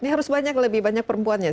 ini harus lebih banyak perempuan ya